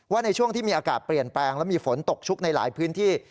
ในช่วงที่มีอากาศเปลี่ยนแปลงและมีฝนตกชุกในหลายพื้นที่